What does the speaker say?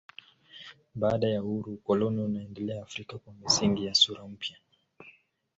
Baada ya uhuru ukoloni unaendelea Afrika kwa misingi na sura mpya.